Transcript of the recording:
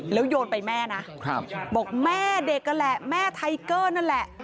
แล้วโยนไปแม่นะบอกแม่เด็กนั่นแหละแม่ไทเกอร์นั่นแหละ